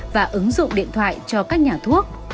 và ứng dụng điện thoại cho các nhà thuốc